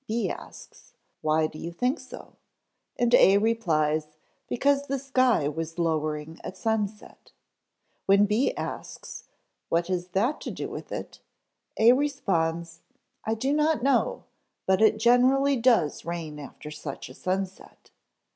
B asks, "Why do you think so?" and A replies, "Because the sky was lowering at sunset." When B asks, "What has that to do with it?" A responds, "I do not know, but it generally does rain after such a sunset."